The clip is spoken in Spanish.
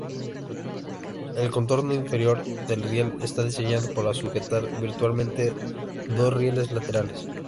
El contorno inferior del riel está diseñado para sujetar virtualmente dos rieles laterales.